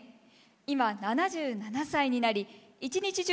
今７７歳になり１日中